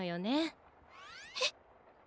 えっ？